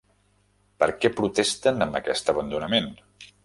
Per què protesten amb aquest abandonament?